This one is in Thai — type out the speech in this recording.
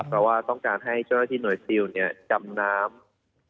เพราะว่าต้องการให้เจ้าหน้าที่หน่วยซิลจำน้ำ